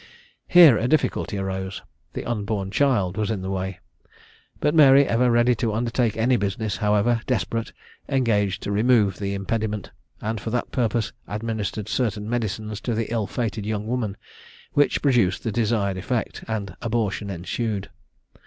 Here a difficulty arose the unborn child was in the way; but Mary, ever ready to undertake any business, however desperate, engaged to remove the impediment, and for that purpose administered certain medicines to the ill fated young woman, which produced the desired effect, and abortion ensued.